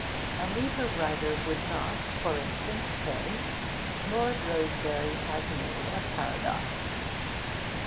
A leader writer would not, for instance, say Lord Rosebery has made a paradox.